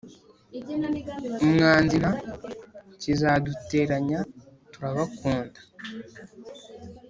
umwanzinta kizaduteranya, turakundana,